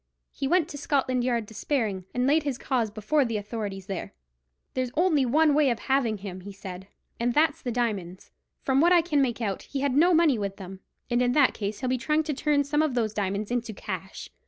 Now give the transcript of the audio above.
He went to Scotland Yard despairing, and laid his case before the authorities there. "There's only one way of having him," he said, "and that's the diamonds. From what I can make out, he had no money with him, and in that case he'll be trying to turn some of those diamonds into cash."